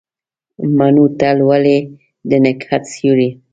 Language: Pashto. مڼو ته لولي د نګهت سیوري